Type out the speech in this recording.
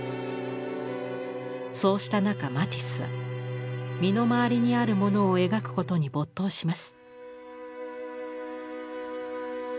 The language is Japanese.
そうした中マティスは身の回りにあるものを描くことに没頭します。